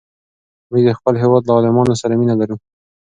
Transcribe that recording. موږ د خپل هېواد له عالمانو سره مینه لرو.